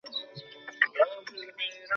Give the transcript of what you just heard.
আমি মিসেস বেসাণ্টকে লক্ষ্য করিয়া এ-কথা বলিতেছি।